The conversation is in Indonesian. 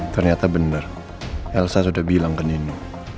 ternyata bener elsa sudah bilang ke nino